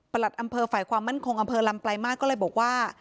ประหลัดอำเภอฝ่ามันคงอำเภอลำปลายมากก็เลยบอกว่า